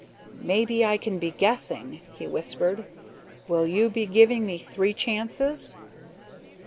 "Maybe I can be guessing," he whispered. "Will you be giving me three chances?"